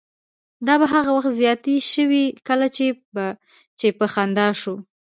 دا به هغه وخت زیاتې شوې کله به چې په خندا شو.